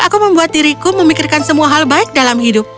aku membuat diriku memikirkan semua hal baik dalam hidup